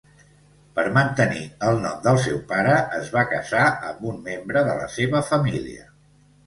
Per mantenir el nom del seu pare, es va casar amb un membre de la seva família.